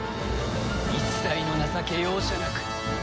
一切の情け容赦なく一木一草